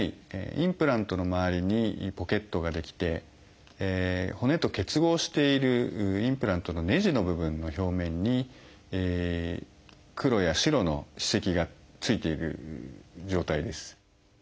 インプラントの周りにポケットが出来て骨と結合しているインプラントのねじの部分の表面に黒や白の歯石がついている状態です。